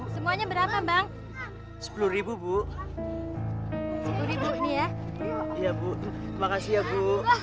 semuanya berapa bang sepuluh bu ya iya bu makasih ya bu